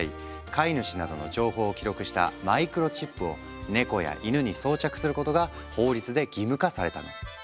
飼い主などの情報を記録したマイクロチップをネコやイヌに装着することが法律で義務化されたの。